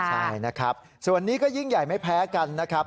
ใช่นะครับส่วนนี้ก็ยิ่งใหญ่ไม่แพ้กันนะครับ